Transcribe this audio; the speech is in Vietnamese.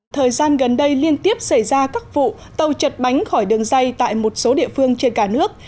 thời gian gần đây liên tiếp xảy ra các vụ tàu chật bánh khỏi đường dây tại một số địa phương trên cả nước